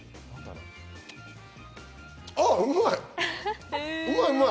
あ、うまい！